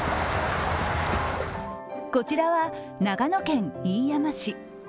こちらは長野県飯山市。